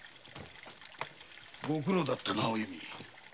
ご苦労だったなお弓。